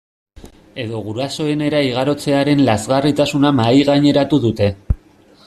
Edo gurasoenera igarotzearen lazgarritasuna mahaigaineratu dute.